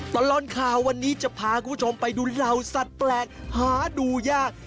ตลอดข่าววันนี้จะพาคุณผู้ชมไปดูเหล่าสัตว์แปลกหาดูยาก